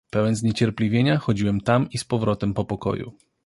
"Pełen zniecierpliwienia chodziłem tam i z powrotem po pokoju."